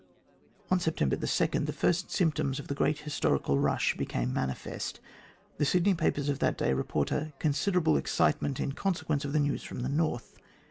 On September 2, the first symptoms of the great historical rush became manifest. The Sydney papers of that day report "considerable excitement in consequence of the news from the North."